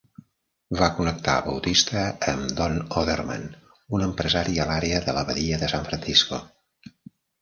Va connectar Bautista amb Don Odermann, un empresari a l'àrea de la badia de San Francisco.